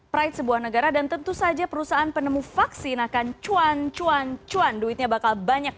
pride sebuah negara dan tentu saja perusahaan penemu vaksin akan cuan cuan cuan duitnya bakal banyak